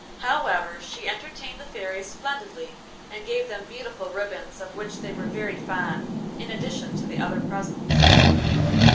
However, she entertained the fairies splendidly, and gave them beautiful ribbons, of which they are very fond, in addition to the other presents.